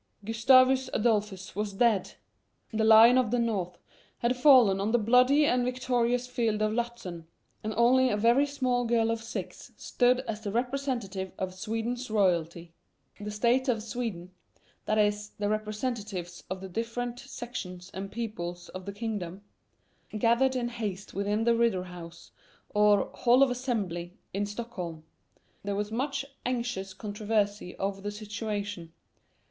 Gustavus Adolphus was dead! The "Lion of the North" had fallen on the bloody and victorious field of Lutzen, and only a very small girl of six stood as the representative of Sweden's royalty. The States of Sweden that is, the representatives of the different sections and peoples of the kingdom gathered in haste within the Riddarhaus, or Hall of Assembly, in Stockholm. There was much anxious controversy over the situation.